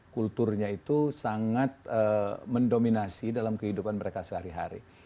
kulturnya itu sangat mendominasi dalam kehidupan mereka sehari hari